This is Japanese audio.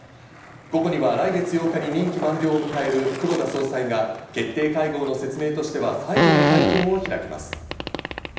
午後には来月８日に任期満了を迎える黒田総裁が決定会合の説明としては最後の会見を開きます。